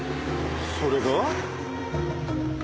それが？